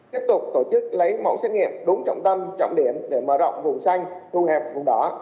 tiếp tục tổ chức lấy mẫu xét nghiệm đúng trọng tâm trọng điểm để mở rộng vùng xanh thu hẹp vùng đó